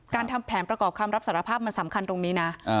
ทำแผนประกอบคำรับสารภาพมันสำคัญตรงนี้นะ